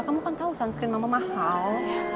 kamu kan tahu sunscreen mama mahal